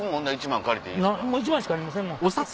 １万円しかありませんもん